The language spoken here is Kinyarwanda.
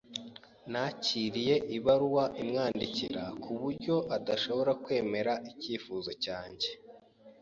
Nakiriye ibaruwa imwandikira ku buryo adashobora kwemera icyifuzo cyanjye.